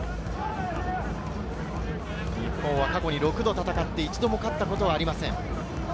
日本は過去６度戦って、１度も勝ったことはありません。